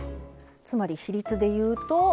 つまり比率で言うと。